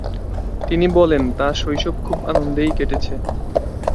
তিনি বলেন তার শৈশব খুবই আনন্দে কেটেছে।